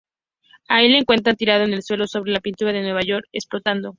Allí le encuentran tirado en el suelo sobre una pintura de Nueva York explotando.